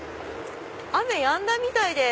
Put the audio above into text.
雨やんだみたいです。